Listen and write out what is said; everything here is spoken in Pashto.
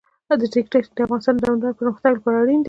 د ریګ دښتې د افغانستان د دوامداره پرمختګ لپاره اړین دي.